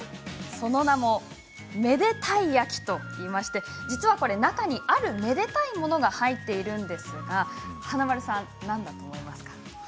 その名も、めでたい焼と言いまして実は中にある、めでたいものが入っているんですが華丸さん、何だと思いますか？